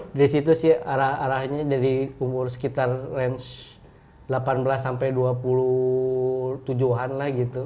dari situ sih arah arahnya dari umur sekitar range delapan belas sampai dua puluh tujuh an lah gitu